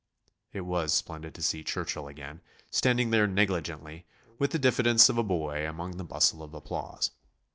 It was splendid to see Churchill again, standing there negligently, with the diffidence of a boy amid the bustle of applause.